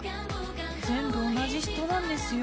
全部同じ人なんですよ。